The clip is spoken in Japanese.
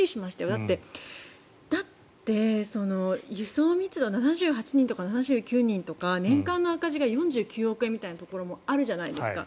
だって、輸送密度７８人とか７９人とか年間の赤字が４９億円みたいなところもあるじゃないですか。